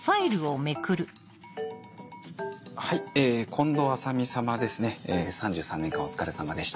はい近藤麻美様ですね３３年間お疲れさまでした。